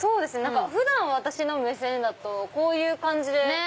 普段は私の目線だとこういう感じで。